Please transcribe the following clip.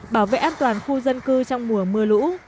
bảo vệ an toàn khu dân cư trong mùa mưa lũ